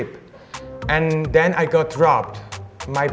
dan kemudian saya terpaksa dikirimkan